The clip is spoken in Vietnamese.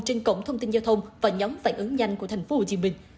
trên cổng thông tin giao thông và nhóm phản ứng nhanh của tp hcm